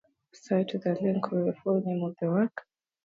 Cite with a link or the full name of the work